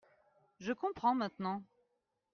Je comprends maintenant.